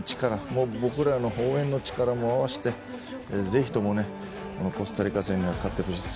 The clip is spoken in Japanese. もう僕らの応援の力も合わせてぜひともコスタリカ戦に勝ってほしい。